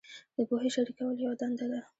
د پوهې شریکول یوه دنده ده.